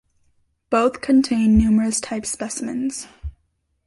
Both contain numerous type specimens.